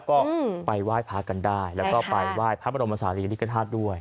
ก็ไปไหว้พระกันได้แล้วก็ไปไหว้พระบรมศาลีริกฐาตุด้วย